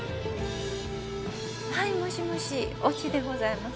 はいもしもし越智でございます